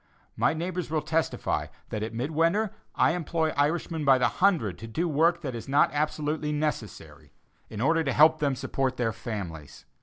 My neighbors will testify that at mid winter I employ Irishmen by the hundred to do work that is not absolutely necessary, in order to help them support their families.